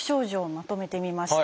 まとめてみました。